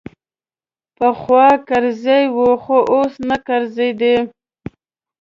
پخوا کرزی وو خو اوس نه کرزی دی.